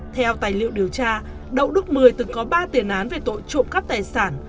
theo tài liệu điều tra đậu đức mười từng có ba tiền án về tội trộm cắp tài sản